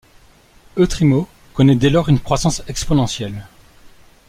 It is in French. Etrimo connaît dès lors une croissance exponentielle.